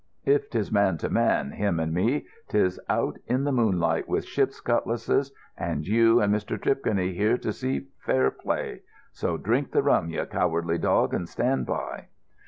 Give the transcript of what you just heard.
If 'tis man to man, him and me, 'tis out in the moonlight with ship's cutlasses and you and Mr. Tripconey here to see fair play. So drink the rum, you cowardly dog, and stand by."